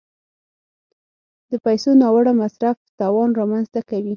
د پیسو ناوړه مصرف تاوان رامنځته کوي.